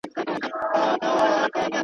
حال پوه سه، انگار پوه سه.